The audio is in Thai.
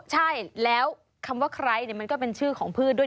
ใช่แล้วคำว่าใครมันก็เป็นชื่อของพืชด้วย